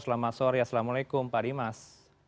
selamat sore assalamualaikum pak dimas